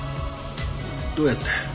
どうやって？